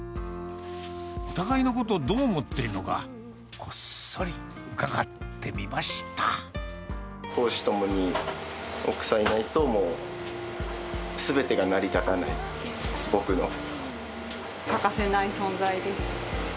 お互いのこと、どう思っているのか、公私ともに、奥さんいないともう、欠かせない存在です。